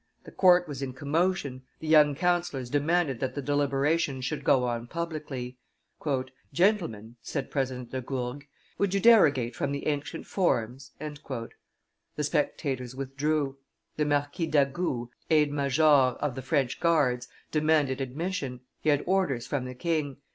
The court was in commotion, the young councillors demanded that the deliberations should go on publicly. "Gentlemen," said President de Gourgues, "would you derogate from the ancient forms?" The spectators withdrew. The Marquis d'Agoult, aide major of the French guards, demanded admission; he had orders from the king.